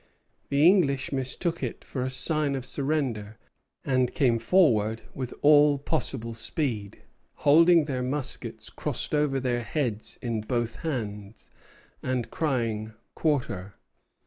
The English mistook it for a sign of surrender, and came forward with all possible speed, holding their muskets crossed over their heads in both hands, and crying Quarter.